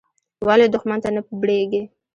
ولې دوښمن ته نه بړېږې.